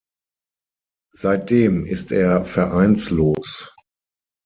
Seitdem ist er vereinslos.